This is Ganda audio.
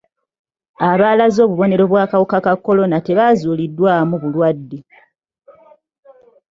Abaalaze obubonero obw'akawuka ka kolona tebazuuliddwamu bulwadde.